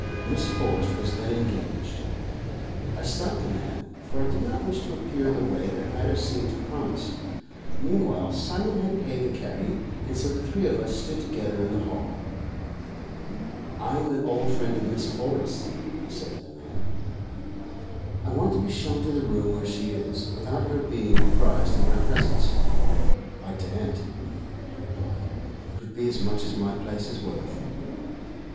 Miss Forrest was then engaged. I stopped the man, for I did not wish to appear in the way that matters seemed to promise. Meanwhile Simon had paid the cabby, and so the three of us stood together in the hall. "I am an old friend of Miss Forrest's," I said to the man; "I want to be shown to the room where she is, without her being apprised of my presence." "I daren't," he replied; "it would be as much as my place is worth."